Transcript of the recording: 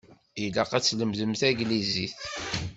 Ilaq ad tlemdem taglizit.